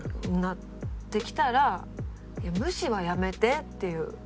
なってきたら「無視はやめて」って言う。